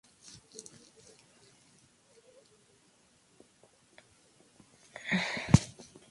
La rueda inferior suele tener un radio más pequeño que la superior.